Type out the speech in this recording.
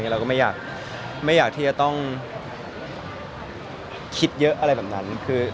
เราก็ไม่อยากที่จะต้องคิดเยอะอะไรแบบนั้น